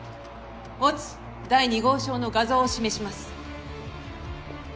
乙第２号証の画像を示します。